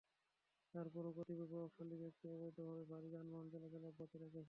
তার পরও কতিপয় প্রভাবশালী ব্যক্তি অবৈধভাবে ভারী যানবাহন চলাচল অব্যাহত রেখেছে।